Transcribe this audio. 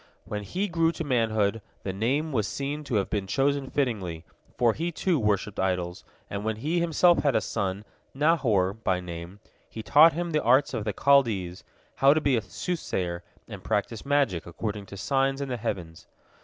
When he grew to manhood, the name was seen to have been chosen fittingly, for he, too, worshipped idols, and when he himself had a son, Nahor by name, he taught him the arts of the Chaldees, how to be a soothsayer and practice magic according to signs in the heavens.